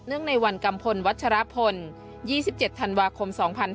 เนื่องในวันกำพลวัชฌาพล๒๗ธันวาคม๒๕๔๔๒๕๖๑